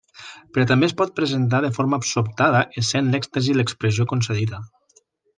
Però també es pot presentar de forma sobtada essent l'èxtasi l'expressió concedida.